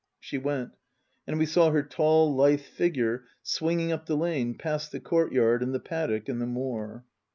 She went ; and we saw her tall, lithe figure swinging up the lane, past the courtyard and the paddock and the moor.